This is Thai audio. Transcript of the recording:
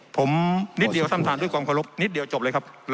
ผมนิดเดียวท่านประธานด้วยความเคารพนิดเดียวจบเลยครับ